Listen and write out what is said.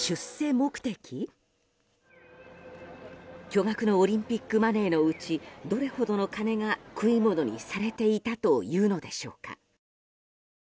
巨額のオリンピックマネーのうちどれほどの金が、食い物にされていたというのでしょうか。